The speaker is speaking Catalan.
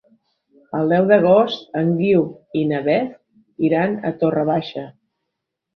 El deu d'agost en Guiu i na Beth iran a Torre Baixa.